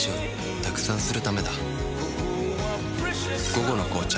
「午後の紅茶」